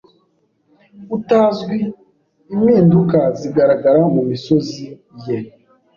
utazwi impinduka zigaragara Mu misozi ye